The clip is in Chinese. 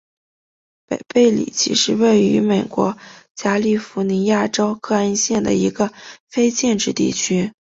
北贝里奇是位于美国加利福尼亚州克恩县的一个非建制地区。